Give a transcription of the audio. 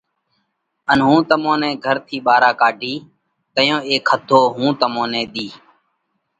ان هُون تمون نئہ گھر ٿِي ٻارا ڪاڍِيه، تئيون اي کٿو هُون تمون نئہ ۮِيه۔